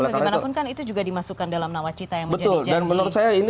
tapi bagaimanapun kan itu juga dimasukkan dalam nawacita yang menjadi janji